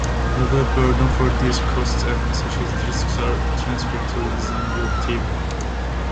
The burden for these costs and associated risks are transferred to the design-build team.